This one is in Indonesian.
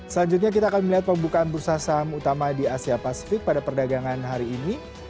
selanjutnya kita akan melihat pembukaan bursa saham utama di asia pasifik pada perdagangan hari ini